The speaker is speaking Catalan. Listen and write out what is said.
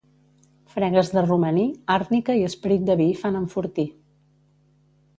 Fregues de romaní, àrnica i esperit de vi fan enfortir.